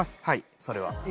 はいそれは。